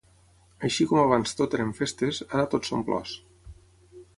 Així com abans tot eren festes, ara tot són plors.